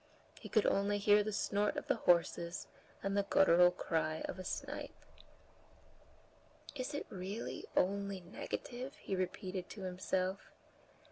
He could only hear the snort of the horses, and the guttural cry of a snipe. "Is it really only negative?" he repeated to himself.